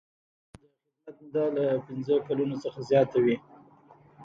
د خدمت موده له پنځه کلونو څخه زیاته وي.